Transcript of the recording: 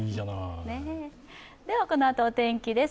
このあとお天気です。